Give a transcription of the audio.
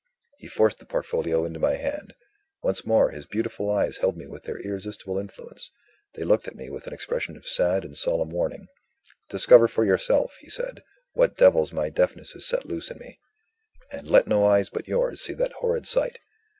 He forced the portfolio into my hand. Once more, his beautiful eyes held me with their irresistible influence; they looked at me with an expression of sad and solemn warning. "Discover for yourself," he said, "what devils my deafness has set loose in me; and let no eyes but yours see that horrid sight.